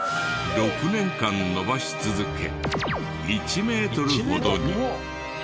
６年間伸ばし続け１メートルほどに。